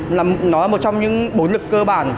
nó là một trong những bốn lực cơ bản